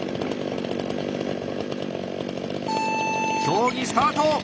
競技スタート！